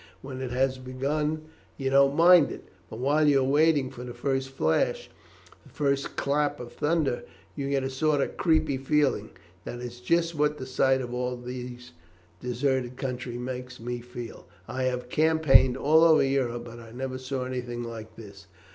When it has begun you don't mind it, but while you are waiting for the first flash, the first clap of thunder, you get a sort of creepy feeling. That is just what the sight of all this deserted country makes me feel. I have campaigned all over Europe, but I never saw anything like this."